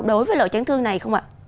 đối với loại chấn thương này không ạ